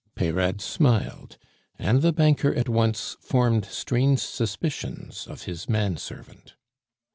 Peyrade smiled, and the banker at once formed strange suspicions of his man servant.